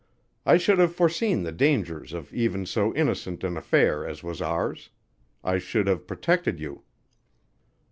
I should have foreseen the dangers of even so innocent an affair as was ours. I should have protected you."